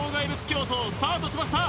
競走スタートしました